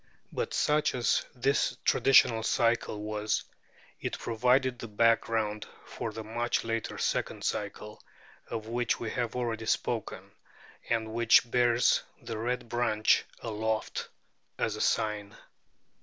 But such as this traditional cycle was, it provided the background for the much later second cycle, of which we have already spoken, and which bears the Red Branch aloft as a sign.